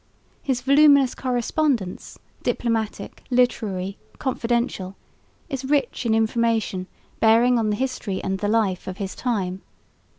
His voluminous correspondence, diplomatic, literary, confidential, is rich in information bearing on the history and the life of his time.